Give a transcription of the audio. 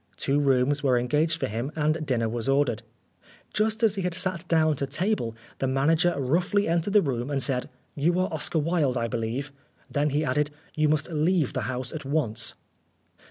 Two rooms were engaged for him and dinner was ordered. Just as he had sat down to table, the manager roughly entered the room and said, "You are Oscar Wilde, I believe." Then he added, " You must leave the house at once."